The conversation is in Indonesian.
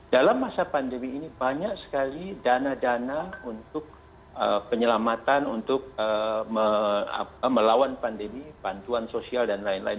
dalam masa pandemi ini banyak sekali dana dana untuk penyelamatan untuk melawan pandemi bantuan sosial dan lain lain